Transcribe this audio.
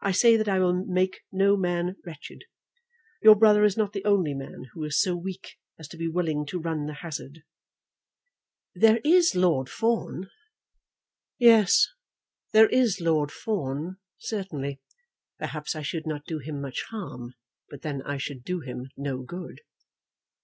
I say that I will make no man wretched. Your brother is not the only man who is so weak as to be willing to run the hazard." "There is Lord Fawn." "Yes, there is Lord Fawn, certainly. Perhaps I should not do him much harm; but then I should do him no good."